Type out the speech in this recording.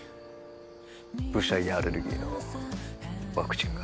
ぶしゃ家アレルギーのワクチンが。